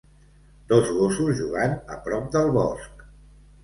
Dos gossos jugant a prop del bosc.